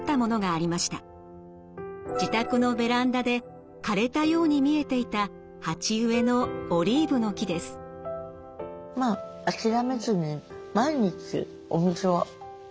自宅のベランダで枯れたように見えていた鉢植えのオリーブの木です。って思って。